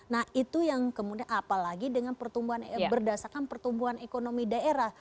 nah itu yang kemudian apalagi dengan pertumbuhan berdasarkan pertumbuhan ekonomi daerah